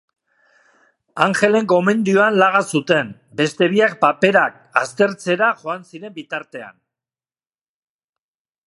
Angelen gomendioan laga zuten, beste biak paperak aztertzera joan ziren bitartean.